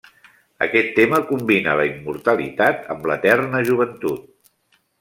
Aquest tema combina la immortalitat amb l'eterna joventut.